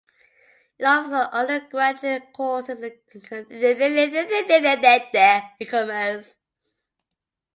It offers undergraduate courses in commerce.